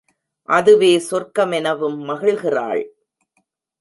அதுவே சொர்க்கமெனவும் மகிழ்கிறாள்.